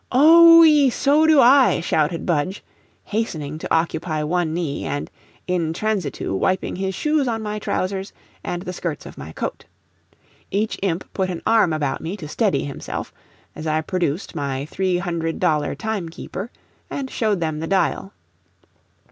"Oh oo ee, so do I," shouted Budge, hastening to occupy one knee, and IN TRANSITU wiping his shoes on my trousers and the skirts of my coat. Each imp put an arm about me to steady himself, as I produced my three hundred dollar time keeper and showed them the dial.